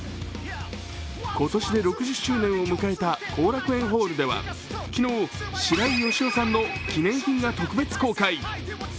今年で６０周年を迎えた後楽園ホールでは昨日、白井義男さんの記念品が特別公開。